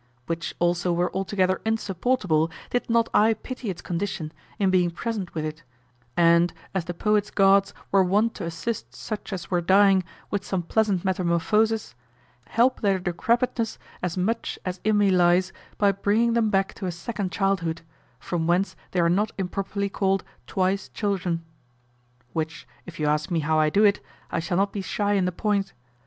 Which also were altogether insupportable did not I pity its condition, in being present with it, and, as the poets' gods were wont to assist such as were dying with some pleasant metamorphosis, help their decrepitness as much as in me lies by bringing them back to a second childhood, from whence they are not improperly called twice children. Which, if you ask me how I do it, I shall not be shy in the point.